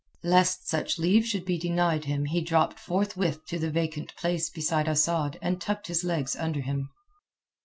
Lest such leave should be denied him he dropped forthwith to the vacant place beside Asad and tucked his legs under him.